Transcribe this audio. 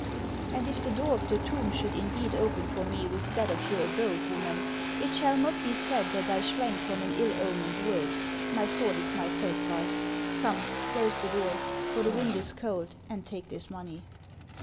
" And if the door of the tomb should indeed open for me with that of your abode, woman, it shall not be said that I shrank from an ill omened word. My sword is my safeguard. Come, close the door, for the wind is cold, and take this money."